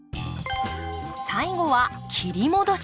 最後は切り戻し。